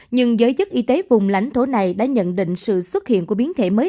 nhưng giới chức y tế vùng lãnh thổ này đã nhận định sự xuất hiện của biến thể mới